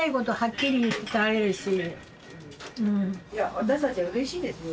私たちはうれしいですよ。